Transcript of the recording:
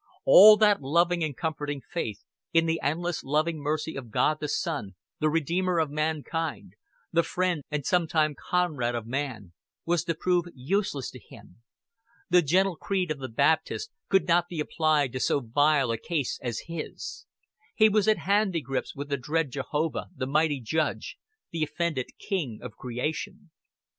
All that lovely and comforting faith in the endless loving mercy of God the Son, the Redeemer of mankind, the Friend and sometime Comrade of man, was to prove useless to him; the gentle creed of the Baptists could not be applied to so vile a case as his; he was at handygrips with the dread Jehovah, the mighty Judge, the offended King of creation.